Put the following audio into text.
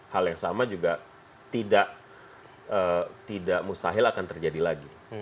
hal yang sama juga tidak mustahil akan terjadi lagi